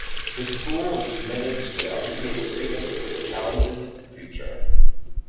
The school is committed to educate students for the challenges of the future.